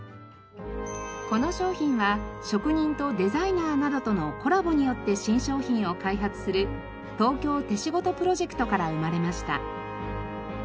この商品は職人とデザイナーなどとのコラボによって新商品を開発する「東京手仕事」プロジェクトから生まれました。